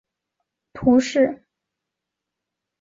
杜龙河畔圣迪迪耶人口变化图示